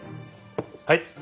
はい。